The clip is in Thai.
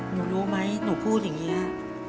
หนูรู้มั้ยหนูพูดอย่างเงี้ย